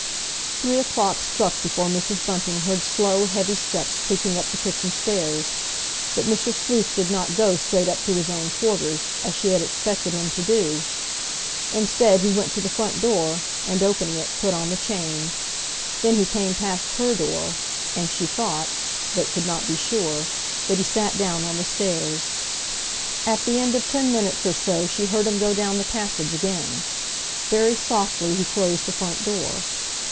Three o'clock struck before Mrs. Bunting heard slow, heavy steps creaking up the kitchen stairs. But Mr. Sleuth did not go straight up to his own quarters, as she had expected him to do. Instead, he went to the front door, and, opening it, put on the chain. Then he came past her door, and she thought—but could not be sure—that he sat down on the stairs. At the end of ten minutes or so she heard him go down the passage again. Very softly he closed the front door.